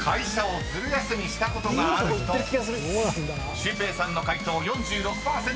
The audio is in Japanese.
シュウペイさんの解答４６％］